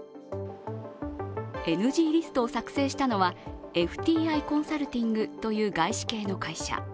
ＮＧリストを作成したのはＦＴＩコンサルティングという外資系の会社。